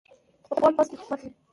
پخو الفاظو کې حکمت وي